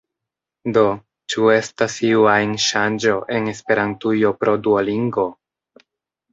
Do, ĉu estas iu ajn ŝanĝo en Esperantujo pro Duolingo?